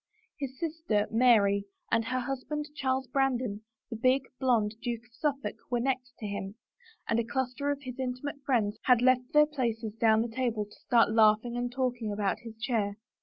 His sister, Mary, and her husband, Charles Brandon, the big, blond Duke of Suffolk, were next to him, and a cluster of his inti mate friends had left their places down the table to stand laughing and talking about his chair.